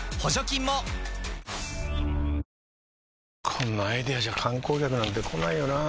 こんなアイデアじゃ観光客なんて来ないよなあ